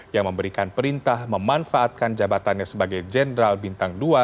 yang memberikan perintah memanfaatkan jabatannya sebagai jenderal bintang dua